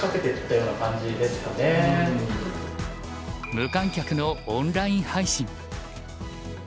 無観客のオンライン配信。